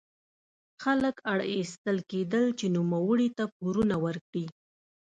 خلک اړ ایستل کېدل چې نوموړي ته پورونه ورکړي.